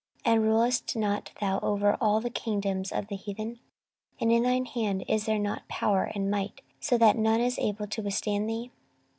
and rulest not thou over all the kingdoms of the heathen? and in thine hand is there not power and might, so that none is able to withstand thee?